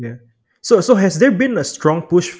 jadi apakah ada yang kuat